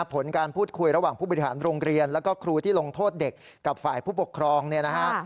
ผลการพูดคุยระหว่างผู้บริหารโรงเรียนแล้วก็ครูที่ลงโทษเด็กกับฝ่ายผู้ปกครองเนี่ยนะฮะ